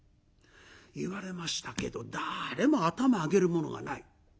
言われましたけど誰も頭上げる者がない。